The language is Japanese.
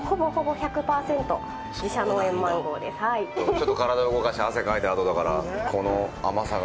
ちょっと体を動かして汗かいたあとだから、この甘さが。